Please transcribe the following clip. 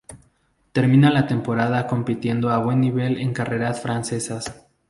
Termina la temporada compitiendo a buen nivel en carreras francesas.